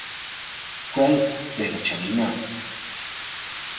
Quel d’eira chaminà.